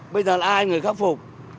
bây giờ ai người khắc phục